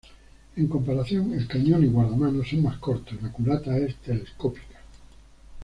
En comparación, el cañón y guardamano son más cortos y la culata es telescópica.